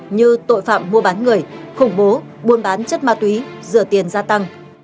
như tội phạm mua bán người khủng bố buôn bán chất ma túy rửa tiền gia tăng